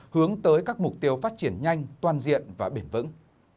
hướng tới các mục tiêu phát triển nhanh toàn diện và bền vững